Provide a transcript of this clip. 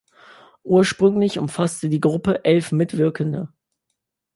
Ursprünglich umfasste die Gruppe elf Mitwirkende.